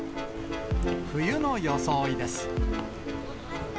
冬の装いです。